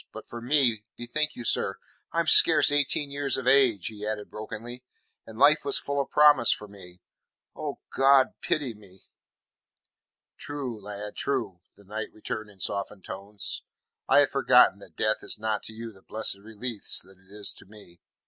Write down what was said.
But for me bethink you, sir, I am scarce eighteen years of age," he added brokenly, "and life was full of promise for me. O God, pity me!" "True, lad, true," the knight returned in softened tones. "I had forgotten that death is not to you the blessed release that it is to me.